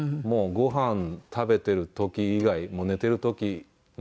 もうご飯食べてる時以外もう寝てる時。